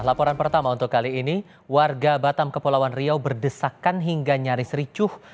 laporan pertama untuk kali ini warga batam kepulauan riau berdesakan hingga nyaris ricuh